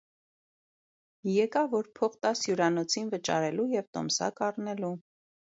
- Եկա, որ փող տաս հյուրանոցին վճարելու և տոմսակ առնելու: